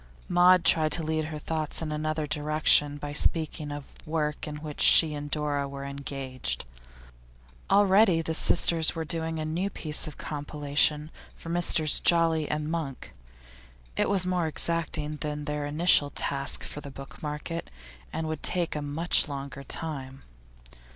Maud tried to lead her thoughts in another direction by speaking of work in which she and Dora were engaged. Already the sisters were doing a new piece of compilation for Messrs Jolly and Monk; it was more exacting than their initial task for the book market, and would take a much longer time.